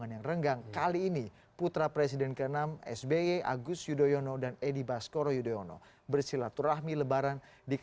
yang baru akan diubahin